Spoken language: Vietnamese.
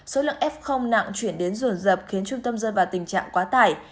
số lượng f nặng chuyển đến ruột rập khiến trung tâm dừng vào tình trạng quá tải